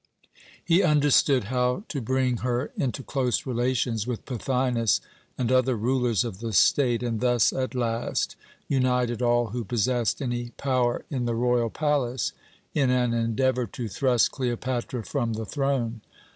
He understood how to bring her into close relations with Pothinus and other rulers of the state, and thus at last united all who possessed any power in the royal palace in an endeavour to thrust Cleopatra from the throne.